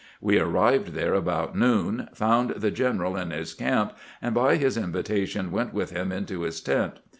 We arrived there about noon, found the general in his camp, and by his invitation went with him into his tent.